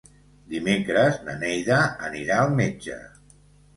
Dimecres na Neida anirà al metge.